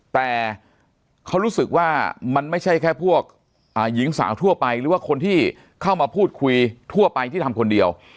แต่เขารู้สึกว่ามันไม่ใช่แค่พวกหญิงสาวทั่วไปหรือว่าคนที่เข้ามาพูดคุยทั่วไปที่ทำคนเดียว